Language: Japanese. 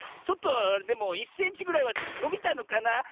ちょっとはでも１センチぐらいはのびたのかな。